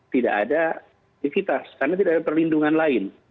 tidak ada aktivitas karena tidak ada perlindungan lain